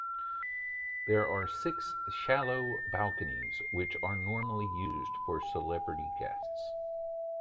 There are six shallow balconies which are normally used for celebrity guests.